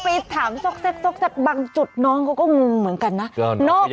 ไปถามซอกแก๊กบางจุดน้องเขาก็งงเหมือนกันนะ